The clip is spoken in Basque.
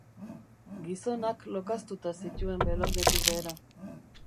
Gizonak lokaztuta zituen belaunetik behera.